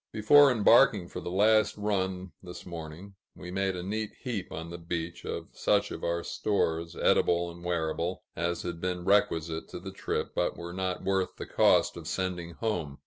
Before embarking for the last run, this morning, we made a neat heap on the beach, of such of our stores, edible and wearable, as had been requisite to the trip, but were not worth the cost of sending home.